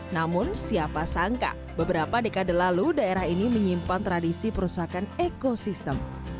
namun siapa sangka beberapa dekade lalu daerah ini menyimpan tradisi perusakan ekosistem